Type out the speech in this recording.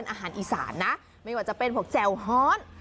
อาหารอีสานนะไม่ว่าต้องเป็นแจ่วฮอส